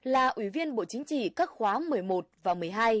là ủy viên bộ chính trị các khóa một mươi một và một mươi hai